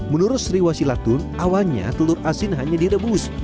menurut sriwa shilatun awalnya telur asin hanya direbus